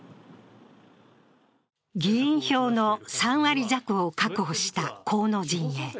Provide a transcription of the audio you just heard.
議員票の３割弱を確保した河野陣営。